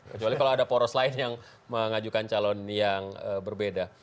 kecuali kalau ada poros lain yang mengajukan calon yang berbeda